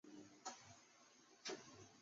曾上山东大学堂。